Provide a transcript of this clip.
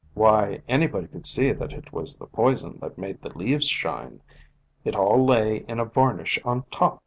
Why, anybody could see that it was the poison that made the leaves shine ; it all lay in a varnish on top